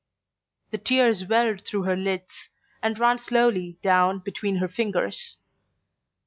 The tears welled through her lids and ran slowly down between her fingers.